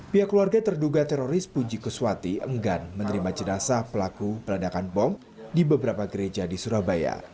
pihak keluarga terduga teroris puji kuswati enggan menerima jenazah pelaku peledakan bom di beberapa gereja di surabaya